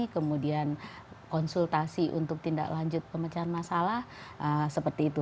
kemudian konsultasi untuk tindak lanjut pemecahan masalah seperti itu